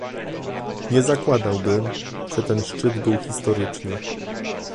Nie zakładałbym, że ten szczyt był historyczny